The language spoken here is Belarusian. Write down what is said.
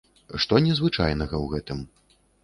Што незвычайнага ў гэтым.